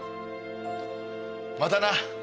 またな。